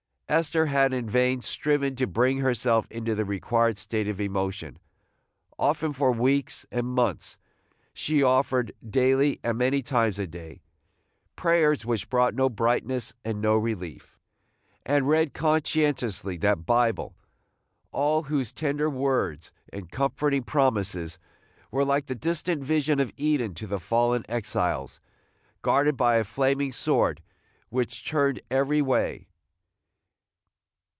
Esther had in vain striven to bring herself into the required state of emotion. Often for weeks and months she offered daily, and many times a day, prayers which brought no brightness and no relief, and read conscientiously that Bible, all whose tender words and comforting promises were like the distant vision of Eden to the fallen exiles, guarded by a flaming sword which turned every way.